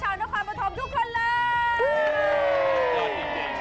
ชาวนักความประธมทุกคนเลย